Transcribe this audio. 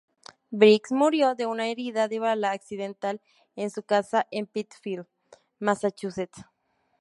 Briggs murió de una herida de bala accidental en su casa en Pittsfield, Massachusetts.